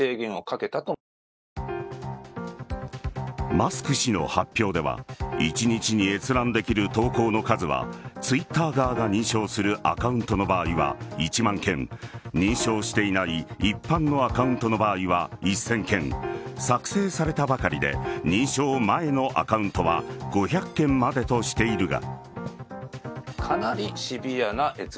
マスク氏の発表では一日に閲覧できる投稿の数はＴｗｉｔｔｅｒ側が認証するアカウントの場合は１万件認証していない一般のアカウントの場合は１０００件作成されたばかりで認証前のアカウントは５００件までとしているが。